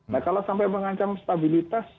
nah kalau sampai mengancam stabilitas